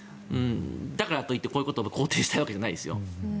だからといってこういうことを肯定したいわけじゃないですよ。